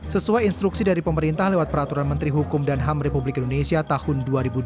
sesuai instruksi dari pemerintah lewat peraturan menteri hukum dan ham republik indonesia tahun dua ribu dua puluh